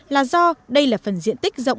là do đây là phần diện tích rộng